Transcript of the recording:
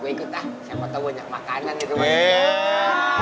gue ikut lah siapa tau banyak makanan di rumahnya